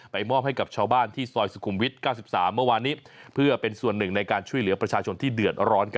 มอบให้กับชาวบ้านที่ซอยสุขุมวิท๙๓เมื่อวานนี้เพื่อเป็นส่วนหนึ่งในการช่วยเหลือประชาชนที่เดือดร้อน